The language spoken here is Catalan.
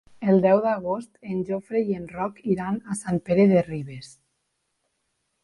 El deu d'agost en Jofre i en Roc iran a Sant Pere de Ribes.